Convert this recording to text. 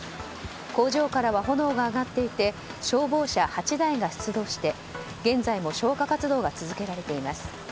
工場からは炎が上がっていて消防車８台が出動して現在も消火活動が続けられています。